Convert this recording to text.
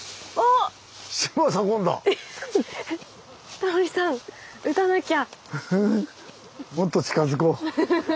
タモリさんうたなきゃ。